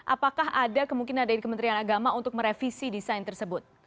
apakah ada kemungkinan dari kementerian agama untuk merevisi desain tersebut